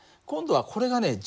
今度はこれがね